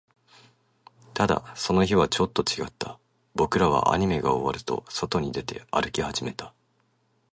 ただ、その日はちょっと違った。僕らはアニメが終わると、外に出て、歩き始めた。